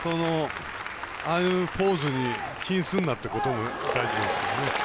ああいうポーズ気にするなっていうことも大事ですからね。